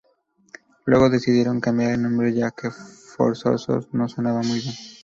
Luego decidieron cambiar el nombre, ya que "Forzosos" no sonaba muy bien.